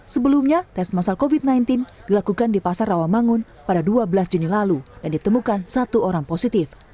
sebelumnya tes masal covid sembilan belas dilakukan di pasar rawamangun pada dua belas juni lalu dan ditemukan satu orang positif